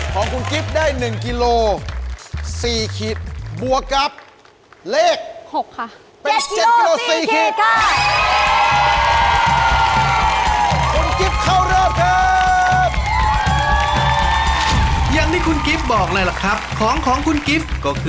ของคุณกริ๊บได้๑กิโล๔ขีด